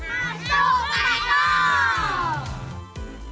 masuk pak eko